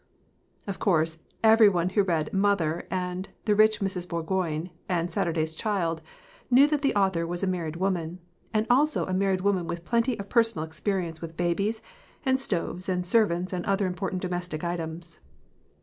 Of course, every one who read Mother and The Rich Mrs. Burgoyne and Saturday's Child knew that the author was a married woman and also a married woman with plenty of personal experi ence with babies and stoves and servants and other important domestic items.